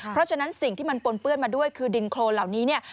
เพราะฉะนั้นสิ่งที่มันปนเปื้อนมาด้วยคือดินโครนเหล่านี้เนี่ย